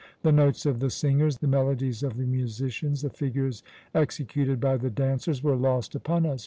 The notes of the singers, the melodies of the musicians, the figures executed by the dancers, were lost upon us.